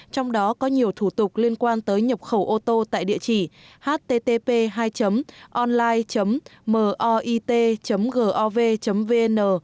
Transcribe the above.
trong đó có nhiều thủ tục liên quan tới nhập khẩu ô tô tại địa chỉ http hai online mit gov vn